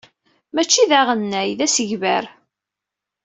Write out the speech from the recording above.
Mačči d aɣennay, d asegbar.